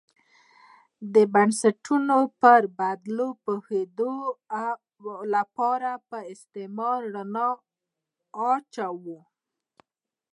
د بنسټونو پر بدلون پوهېدو لپاره پر استعمار رڼا اچوو.